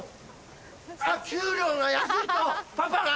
給料が安いとパパが。